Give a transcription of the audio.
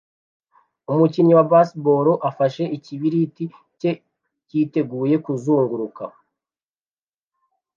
Umukinnyi wa baseball afashe ikibiriti cye yiteguye kuzunguruka